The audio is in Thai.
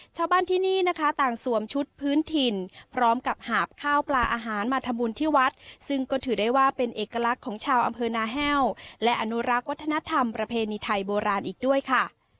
ชาวบ้านที่นี่นะคะต่างสวมชุดพื้นถิ่นพร้อมกับหาบข้าวปลาอาหารมาทำบุญที่วัดซึ่งก็ถือได้ว่าเป็นเอกลักษณ์ของชาวอำเภอนาแห้วและอนุรักษ์วัฒนธรรมประเพณีไทยโบราณอีกด้วยค่ะ